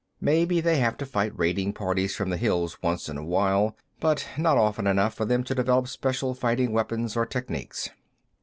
Maybe they have to fight raiding parties from the hills once in a while, but not often enough for them to develop special fighting weapons or techniques."